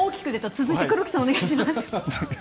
続いて黒木さんお願いします。